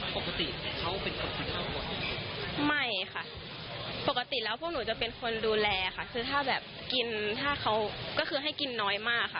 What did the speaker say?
ปกติเขาเป็นคนทานบ่อยไม่ค่ะปกติแล้วพวกหนูจะเป็นคนดูแลค่ะคือถ้าแบบกินถ้าเขาก็คือให้กินน้อยมากค่ะ